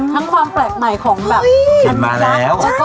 ทั้งความแปลกใหม่ของแบบอันปรับ